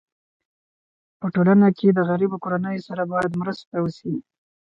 په ټولنه کي د غریبو کورنيو سره باید مرسته وسي.